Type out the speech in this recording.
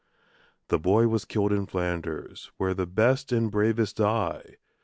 The boy was killed in Flanders, where the best and bravest die.